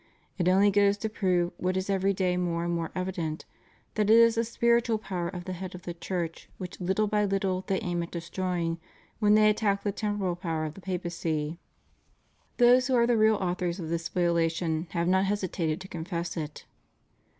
It only goes to prove what is every day more and more evident that it is the spiritual power of the head of the Church which little by Httle they aim at destroying when they attack the temporal power of the papacy. Those who are the real authors of this spoliation have not hesitated to con fess it.